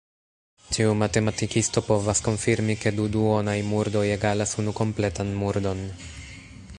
Ĉiu matematikisto povas konfirmi ke du duonaj murdoj egalas unu kompletan murdon.